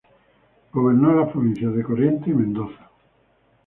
Gobernó las provincias de Corrientes y Mendoza.